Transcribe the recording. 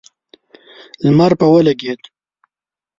لمر پرې ولګېد.